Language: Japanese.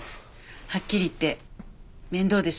はっきり言って面倒でした。